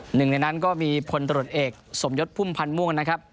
หนึ่งในนั้นก็มีพลตรวจเอกสมยศพุ่มพันธ์ม่วงนะครับ